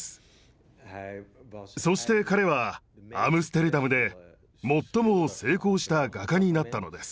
そして彼はアムステルダムで最も成功した画家になったのです。